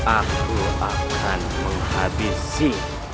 aku akan menghabisi